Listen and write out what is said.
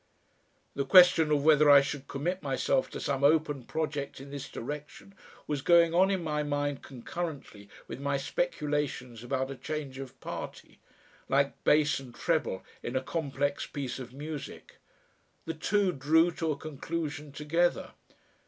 The question of whether I should commit myself to some open project in this direction was going on in my mind concurrently with my speculations about a change of party, like bass and treble in a complex piece of music. The two drew to a conclusion together.